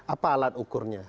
apa alat ukurnya